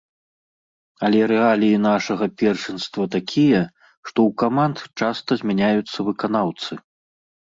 Але рэаліі нашага першынства такія, што ў каманд часта змяняюцца выканаўцы.